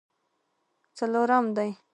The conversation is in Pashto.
څلورم دی.